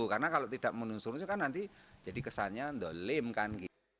karena kalau tidak menunjukkan nanti jadi kesannya dolim kan